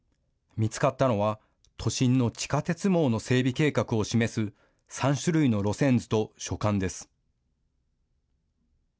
見つかったのは、都心の地下鉄網の整備計画を示す３種類の路線図と書簡です。